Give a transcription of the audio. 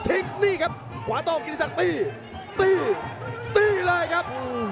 ตอนนี้ครับขวาต้องกินที่สังตีตีตีเลยครับ